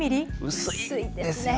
薄いですね。